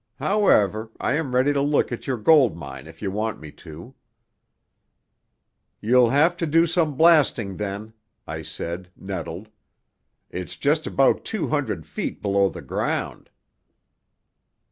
However, I am ready to look at your gold mine if you want me to." "You'll have to do some blasting then," I said, nettled. "It's just about two hundred feet below the ground."